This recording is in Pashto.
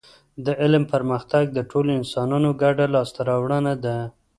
د علم پرمختګ د ټولو انسانانو ګډه لاسته راوړنه ده